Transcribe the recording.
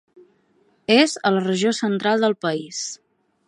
És a la regió central del país.